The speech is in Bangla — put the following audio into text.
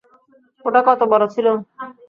ওটা কত বড় ছিল?